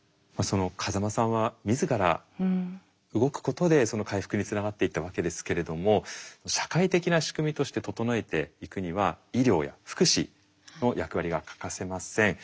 風間さんは自ら動くことで回復につながっていったわけですけれども社会的な仕組みとして整えていくには医療や福祉の役割が欠かせません。